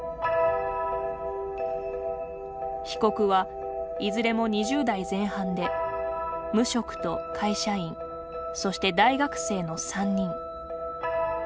被告は、いずれも２０代前半で無職と会社員そして大学生の３人。